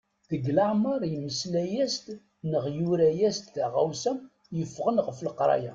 Deg leɛmer yemmeslay-as-d neɣ yura-as-d taɣawsa yeffɣen ɣef leqraya.